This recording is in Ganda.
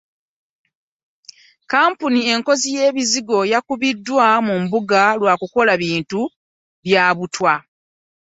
Kkampuni enkozi y'ebizigo yakubiddwa mu mbuga lwa kukola bintu bya butwa.